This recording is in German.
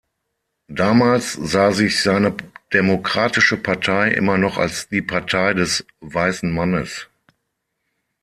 Damals sah sich seine Demokratische Partei immer noch als die Partei des „Weißen Mannes“.